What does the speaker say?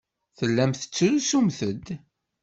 Tellamt tettrusumt-d.